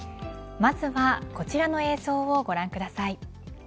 まずはこちらの映像をご覧ください。